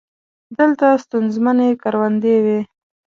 دلته ستونزمنې کروندې وې.